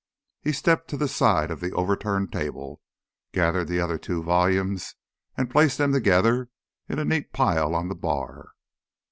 He stepped to the side of the overturned table, gathered the other two volumes, and placed them together in a neat pile on the bar.